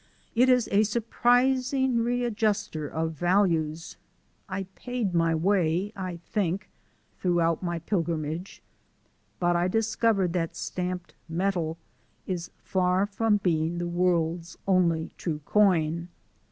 It is a surprising readjuster of values. I paid my way, I think, throughout my pilgrimage; but I discovered that stamped metal is far from being the world's only true coin.